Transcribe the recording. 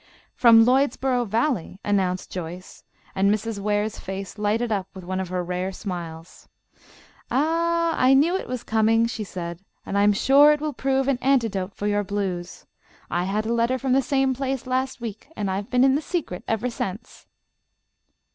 "From Lloydsboro Valley," announced Joyce, and Mrs. Ware's face lighted up with one of her rare smiles. "Ah, I knew it was coming," she said, "and I am sure it will prove an antidote for your blues. I had a letter from the same place last week, and I've been in the secret ever since."